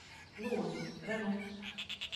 Lūdzu. Re nu.